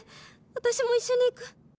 私も一緒に逝く！」。